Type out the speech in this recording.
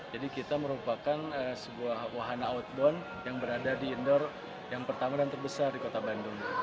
jadi kita merupakan sebuah wahana outbound yang berada di indoor yang pertama dan terbesar di kota bandung